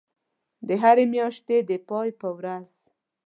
د هری میاشتی د پای په ورځ